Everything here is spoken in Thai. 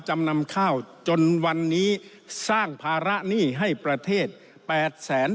จำนำข้าวจนวันนี้สร้างภาระหนี้ให้ประเทศแปดแสน